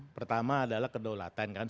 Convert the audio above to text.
pertama adalah kedaulatan kan